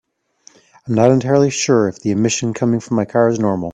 I'm not entirely sure if the emission coming from my car is normal.